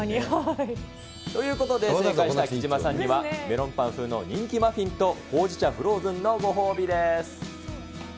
ということで、正解した貴島さんには、メロンパン風の人気マフィンとほうじ茶フローズンのご褒美です。